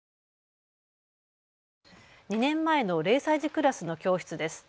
２年前の０歳児クラスの教室です。